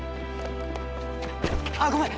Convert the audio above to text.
あっごめん！